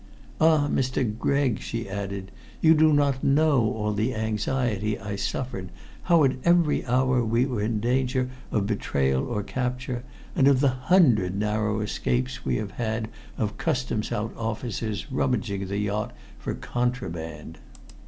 Ah! Mr. Gregg," she added, "you do not know all the anxiety I suffered, how at every hour we were in danger of betrayal or capture, and of the hundred narrow escapes we have had of Custom House officers rummaging the yacht for contraband.